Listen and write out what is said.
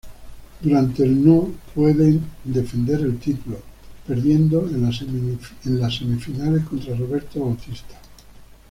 Durante el no puede defender el título, perdiendo en las semifinales contra Roberto Bautista.